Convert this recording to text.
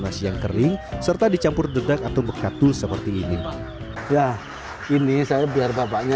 nasi yang kering serta dicampur dedak atau bekatu seperti ini ya ini saya biar bapaknya